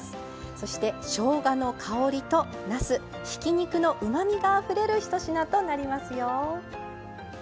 そしてしょうがの香りとなすひき肉のうまみがあふれるひと品となりますよ。